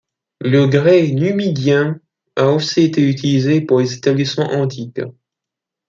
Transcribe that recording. Le grès numidien a aussi été utilisés pour les établissements antiques.